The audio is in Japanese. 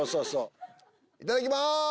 いただきます！